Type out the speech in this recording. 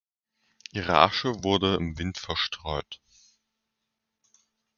Ihre Asche wurde im Wind verstreut.